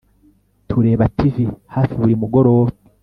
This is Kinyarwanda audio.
Tureba TV hafi buri mugoroba